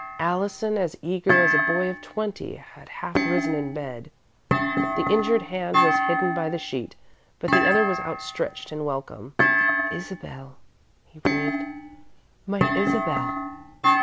Allison, as eager as a boy of twenty, had half risen in bed. The injured hand was hidden by the sheet, but the other was outstretched in welcome. "Isabel," he breathed. "My Isabel!"